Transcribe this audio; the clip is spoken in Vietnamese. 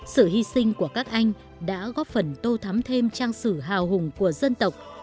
sự hy sinh của các anh đã góp phần tô thắm thêm trang sử hào hùng của dân tộc